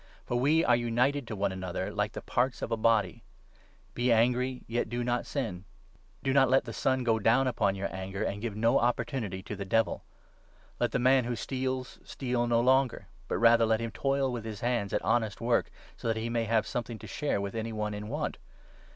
' For we are united to one another like the parts of a body. ' Be angry, yet do not 26 sin.' Do not let the sun go down upon your anger ; and give 27 no opportunity to the Devil. Let the man who steals steal 28 no longer, but rather let him toil with his hands at honest work, so that he may have something to share with any one in want.